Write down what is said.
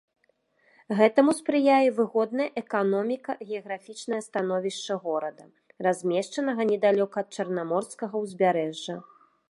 Гэтаму спрыяе выгоднае эканоміка-геаграфічнае становішча горада, размешчанага недалёка ад чарнаморскага ўзбярэжжа.